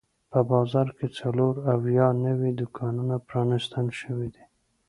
په بازار کې څلور اویا نوي دوکانونه پرانیستل شوي دي.